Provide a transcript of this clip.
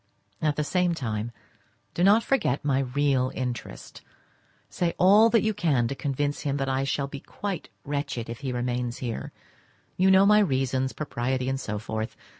At the same time, do not forget my real interest; say all that you can to convince him that I shall be quite wretched if he remains here; you know my reasons—propriety, and so forth.